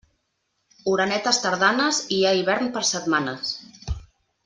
Orenetes tardanes, hi ha hivern per setmanes.